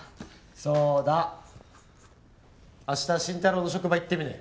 そうだ明日真太郎の職場行ってみねえ？